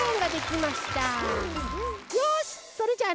よしそれじゃあね